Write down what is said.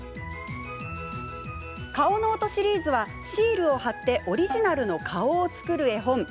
「かおノート」シリーズはシールを貼ってオリジナルの顔を作る絵本。